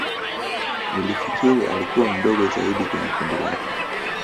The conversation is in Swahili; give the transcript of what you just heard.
Nilifikiri alikua mdogo zaidi kweye kundi lake